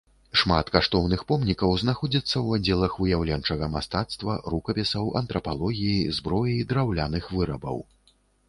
Шмат каштоўных помнікаў знаходзіцца ў аддзелах выяўленчага мастацтва, рукапісаў, антрапалогіі, зброі, драўляных вырабаў.